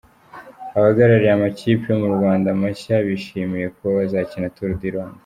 Abahagarariye amakipe yo mu Rwanda mashya bishimiye kuba bazakina Tour du Rwanda.